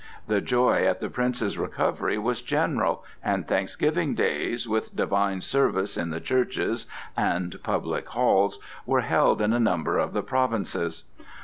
The joy at the Prince's recovery was general, and thanksgiving days, with divine service in the churches and public halls, were held in a number of the provinces.